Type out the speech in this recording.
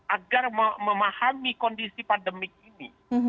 agar memahami kondisi pandemik ini